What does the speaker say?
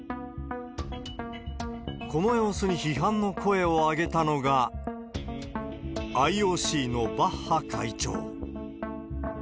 この様子に批判の声を上げたのが、ＩＯＣのバッハ会長。